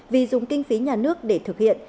vì dùng kinh phí nhà nước để thực hiện